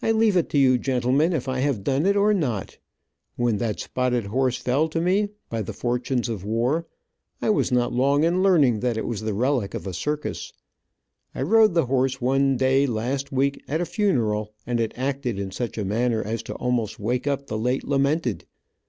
I leave it to you, gentlemen, if I have done it or not. When that spotted horse fell to me, by the fortunes of war, I was not long in learning that it was the relic of a circus. I rode the horse one day last week at a funeral, and it acted in such a manner as to almost wake up the late lamented.